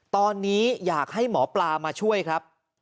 ตอนนี้อยากให้หมอปลามาช่วยครับ